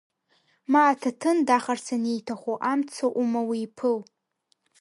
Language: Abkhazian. Ма аҭаҭын дахарц аниҭаху, амца ума уиԥыл.